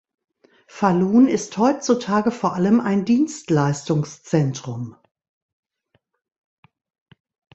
Falun ist heutzutage vor allem ein Dienstleistungszentrum.